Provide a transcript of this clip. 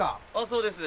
そうです。